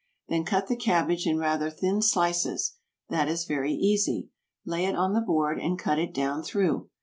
Then cut the cabbage in rather thin slices. That is very easy. Lay it on the board and cut it down through.